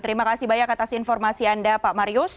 terima kasih banyak atas informasi anda pak marius